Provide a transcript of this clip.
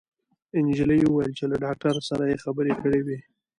انجلۍ وويل چې له ډاکټر سره يې خبرې کړې وې